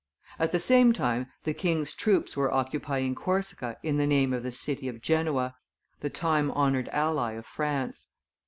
At the same time the king's troops were occupying Corsica in the name of the city of Genoa, the time honored ally of France.